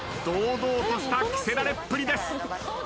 堂々とした着せられっぷりです。